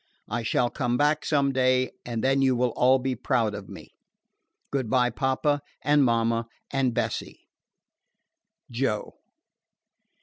I shall come back some day, and then you will all be proud of me. Good by, papa, and mama, and Bessie. JOE.